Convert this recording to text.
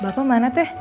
bapak mana teh